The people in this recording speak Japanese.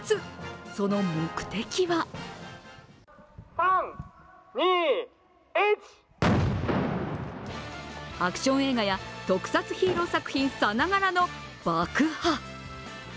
その目的はアクション映画や特撮ヒーロー作品さながらの爆破。